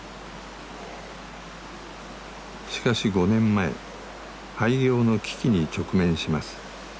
しかし５年前廃業の危機に直面します。